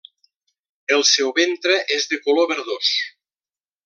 El seu ventre és de color verdós.